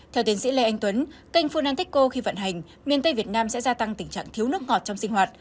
theo tiến sĩ lê anh tuấn kênh funanticco khi vận hành miền tây việt nam sẽ gia tăng tình trạng thiếu nước ngọt trong sinh hoạt